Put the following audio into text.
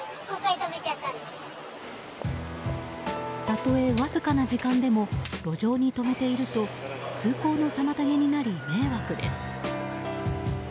たとえわずかな時間でも路上に止めていると通行の妨げになり迷惑です。